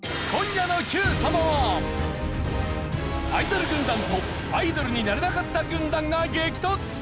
アイドル軍団とアイドルになれなかった軍団が激突！